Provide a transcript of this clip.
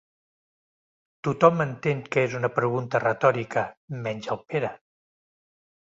Tothom entén que és una pregunta retòrica, menys el Pere.